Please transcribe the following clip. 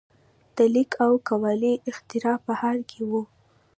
د لیک او کولالۍ اختراع په حال کې وو.